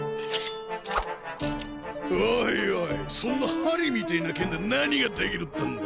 おいおいそんな針みてえな剣で何ができるってんだ！